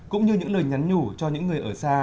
cũng như những lời nhắn nhủ cho những người ở xa